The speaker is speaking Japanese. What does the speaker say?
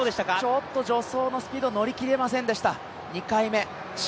ちょっと助走のスピードが乗り切れませんでした。